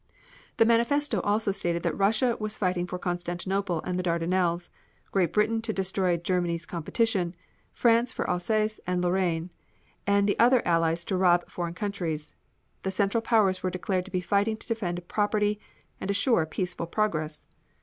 The manifesto also stated that Russia was fighting for Constantinople and the Dardanelles; Great Britain to destroy Germany's competition; France for Alsace and Lorraine, and the other allies to rob foreign countries; the Central Powers were declared to be fighting to defend property and assure peaceful progress.